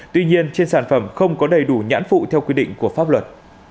tuy nhiên trên sản phẩm không có đầy đủ nhãn phụ theo quy định của pháp luật